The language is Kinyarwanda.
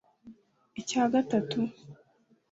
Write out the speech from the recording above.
Icya gatatu